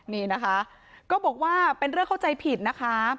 นี่นะคะก็บอกว่าเป็นเรื่องเข้าใจผิดนะคะ